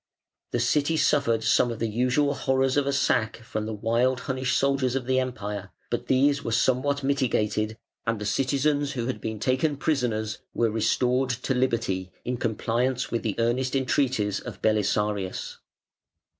The city suffered some of the usual horrors of a sack from the wild Hunnish soldiers of the Empire, but these were somewhat mitigated, and the citizens who had been taken prisoners were restored to liberty, in compliance with the earnest entreaties of Belisarius.